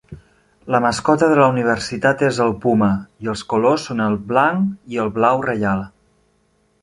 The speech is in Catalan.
La mascota de la universitat és el puma i els colors són el blanc i el blau reial.